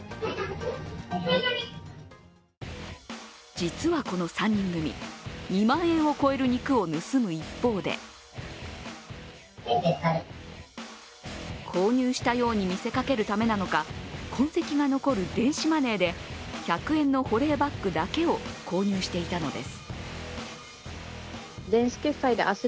実はこの３人組、２万円を超える肉を盗む一方で購入したように見せかけるためなのか、痕跡が残る電子マネーで１００円の保冷バッグだけを購入していたのです。